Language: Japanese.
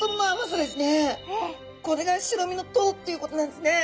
これが白身のトロっていうことなんですね！